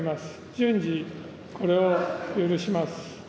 順次、これを許します。